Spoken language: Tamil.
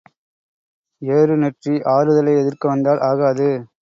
ஏறு நெற்றி ஆறுதலை எதிர்க்க வந்தால் ஆகாது.